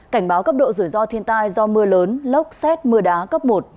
cảnh báo cấp độ rủi ro thiên tai do mưa lớn lốc xét mưa đá cấp một